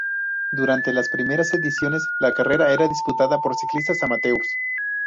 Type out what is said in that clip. Durante las dos primeras ediciones la carrera era disputada por ciclistas amateurs.